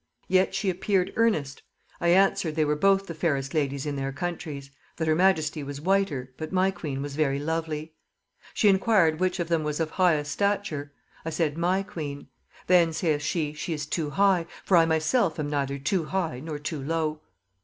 Yet she appeared earnest. I answered, they were both the fairest ladies in their countries; that her majesty was whiter, but my queen was very lovely. She enquired, which of them was of highest stature? I said, my queen. Then, saith she, she is too high, for I myself am neither too high nor too low.